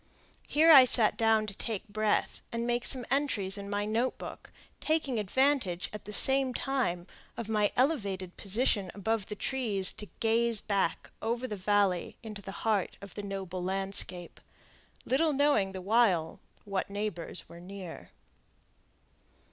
Here I sat down to take breath and make some entries in my note book, taking advantage, at the same time, of my elevated position above the trees to gaze back over the valley into the heart of the noble landscape, little knowing the while what neighbors were near.